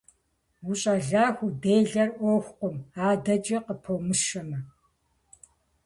УщӀалэху уделэр Ӏуэхукъым, адэкӀи къыпомыщэмэ.